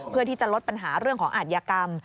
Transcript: เพื่อที่จะลดปัญหาเรื่องของอาทยากรรม